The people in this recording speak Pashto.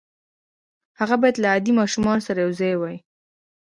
هغه بايد له عادي ماشومانو سره يو ځای وي.